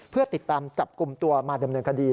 เพื่อติดตามจับกลุ่มตัวมาดำเนินคดี